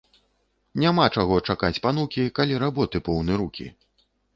Няма чаго чакаць панукі, калі работы поўны рукі